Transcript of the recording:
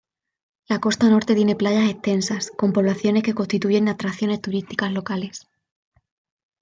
La costa norte tiene playas extensas, con poblaciones que constituyen atracciones turísticas locales.